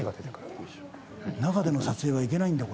中での撮影はいけないんだ